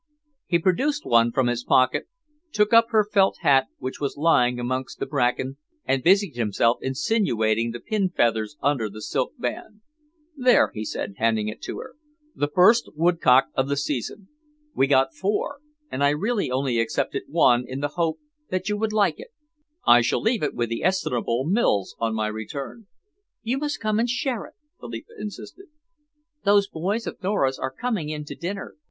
He produced one from his pocket, took up her felt hat, which was lying amongst the bracken, and busied himself insinuating the pin feathers under the silk band. "There," he said, handing it to her, "the first woodcock of the season. We got four, and I really only accepted one in the hope that you would like it. I shall leave it with the estimable Mills, on my return." "You must come and share it," Philippa insisted. "Those boys of Nora's are coming in to dinner.